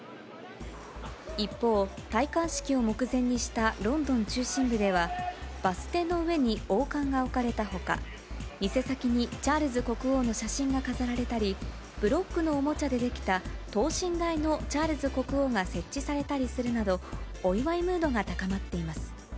一方、戴冠式を目前にしたロンドン中心部では、バス停の上に王冠が置かれたほか、店先にチャールズ国王の写真が飾られたり、ブロックのおもちゃで出来た等身大のチャールズ国王が設置されたりするなど、お祝いムードが高まっています。